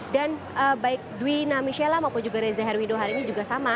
dan baik duwina mishela maupun juga reza herwindo harimi juga sama